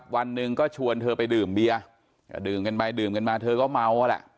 วันหนึ่งก็ชวนเธอไปดื่มเบียดื่มกันมาเธอก็เมา